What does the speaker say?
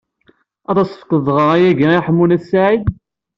Ad as-tefkeḍ dɣa ayagi i Ḥemmu n At Sɛid?